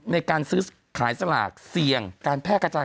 ในการซื้อขายสลากเสี่ยงการแพร่กระจาย